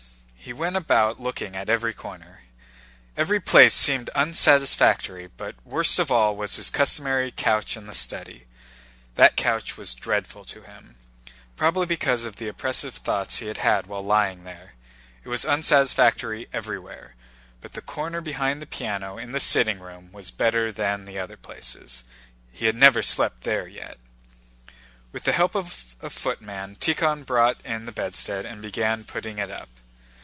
He went about looking at every corner. Every place seemed unsatisfactory, but worst of all was his customary couch in the study. That couch was dreadful to him, probably because of the oppressive thoughts he had had when lying there. It was unsatisfactory everywhere, but the corner behind the piano in the sitting room was better than other places: he had never slept there yet. With the help of a footman Tíkhon brought in the bedstead and began putting it up.